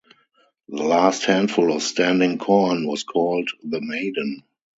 The last handful of standing corn was called the Maiden.